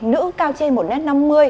nữ cao trên một m năm mươi